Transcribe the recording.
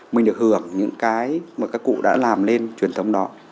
mình được hưởng những cái mà các cụ đã làm lên truyền thống đó